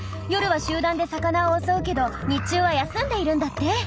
夜は集団で魚を襲うけど日中は休んでいるんだって。